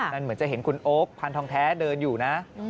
เหมือนจะเห็นคุณโอ๊คพันธองแท้เดินอยู่นะ